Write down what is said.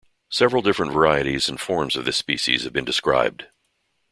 Several different varieties and forms of this species have been described.